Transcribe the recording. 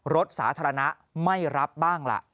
รถสาธารณะไม่รับบ้างล่ะ